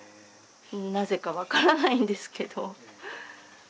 なぜか分からないんですけど。